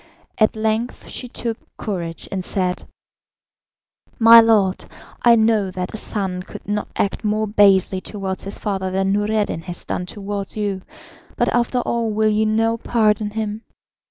At length she took courage and said: "My lord, I know that a son could not act more basely towards his father than Noureddin has done towards you, but after all will you now pardon him?